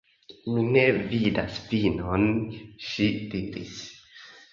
"Mi ne vidas vinon," ŝi diris.